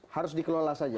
harus dikelola saja